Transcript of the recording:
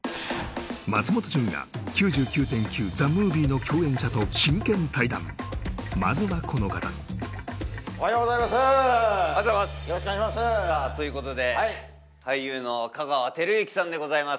松本潤が「９９．９ＴＨＥＭＯＶＩＥ」の共演者と真剣対談まずはこの方おはようございますおはようございますよろしくお願いしますさあということで俳優の香川照之さんでございます